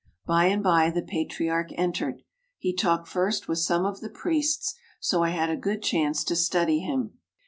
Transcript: By and by the Patriarch entered. He talked first with some of the priests, so I had a good chance to study him.